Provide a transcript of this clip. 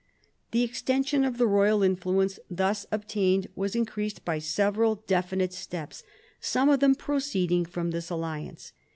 The extension of the royal influence thus obtained was increased by several definite steps, some of them proceeding from this alliance.